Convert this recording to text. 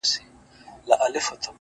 • ستا زړه ته خو هر څوک ځي راځي گلي ـ